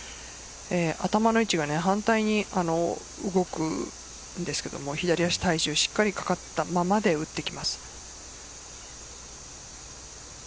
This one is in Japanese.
頭の位置が反対に動くのですが左足に体重がかかったままで打っていきます。